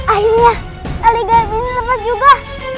akhirnya tali gaya bintang lepas juga